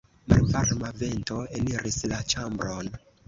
Malvarma vento eniris la ĉambron.